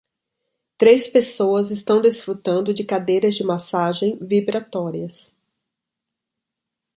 Três pessoas estão desfrutando de cadeiras de massagem vibratórias.